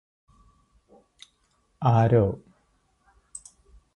ആരോ